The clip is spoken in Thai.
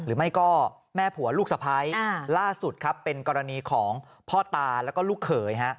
หรือไม่ก็แม่ผัวลูกสะพ้ายล่าสุดครับเป็นกรณีของพ่อตาแล้วก็ลูกเขย